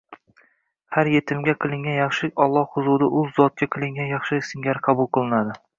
har yetimga qilingan yaxshilik Alloh huzurida ul zotga qilingan yaxshilik singari qabul qilinadi.